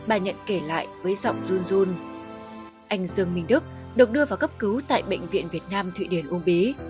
anh dương minh đức được đưa vào cấp cứu tại bệnh viện việt nam thụy điển uông bí